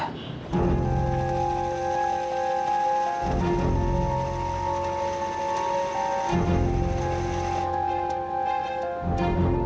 kita udah sampai doncs